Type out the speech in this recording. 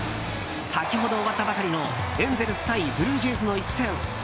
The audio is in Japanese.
先ほど終わったばかりのエンゼルス対ブルージェイズの一戦。